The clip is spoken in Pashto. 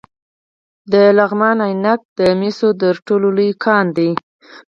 د لغمان عينک د مسو تر ټولو لوی کان دی